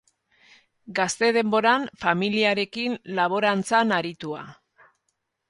Gazte denboran familiarekin laborantzan aritua.